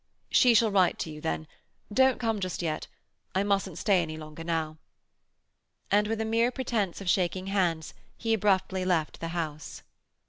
"She shall write to you then. Don't come just yet. I mustn't stay any longer now." And with a mere pretence of shaking hands he abruptly left the house.